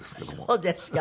そうですか。